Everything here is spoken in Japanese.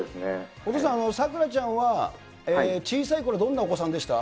お父さん、咲楽ちゃんは小さいころはどんなお子さんでしたか？